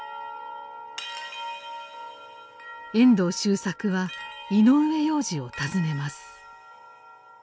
遠藤周作は井上洋治を訪ねます。